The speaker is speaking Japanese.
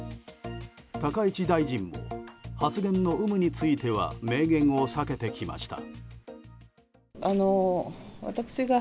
高市大臣も発言の有無については明言を避けてきました。